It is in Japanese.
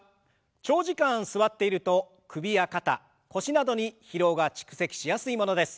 長時間座っていると首や肩腰などに疲労が蓄積しやすいものです。